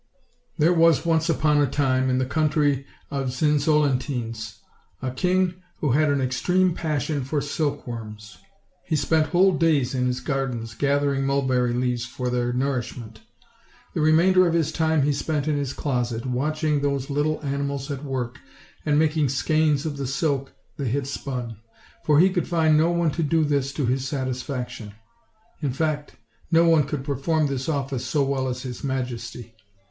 THEKE was once upon a time, in the country of Zinzol antines, a king who had an extreme passion for silk worms; he spent whole days in his gardens gathering mulberry leaves for their nourishment; the remainder of his time he spent in his closet, watching those little ani mals at work, and making skeins of the silk they had spun; for he could find no one to do this to his satisfac tion: in fact, no one could perform this office so well as his majesty.